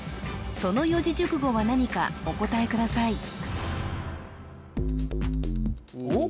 その四字熟語は何かお答えくださいおっ？